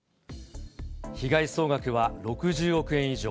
被害総額は６０億円以上。